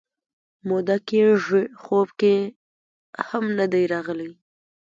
موده کېږي خوب کې هم نه یې راغلی